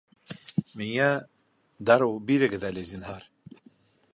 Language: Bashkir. Миңә... дарыу бирегеҙ әле, зинһар